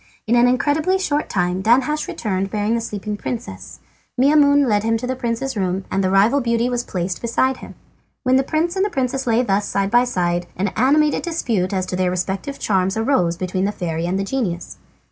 In an incredibly short time Danhasch returned, bearing the sleeping princess. Maimoune led him to the prince's room, and the rival beauty was placed beside him. When the prince and princess lay thus side by side, an animated dispute as to their respective charms arose between the fairy and the genius.